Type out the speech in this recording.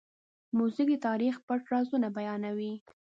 موزیک د تاریخ پټ رازونه بیانوي.